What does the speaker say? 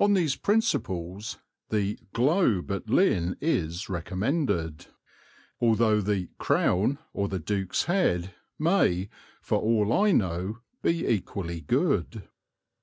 On these principles the "Globe" at Lynn is recommended, although the "Crown" or the "Duke's Head" may, for all I know, be equally good.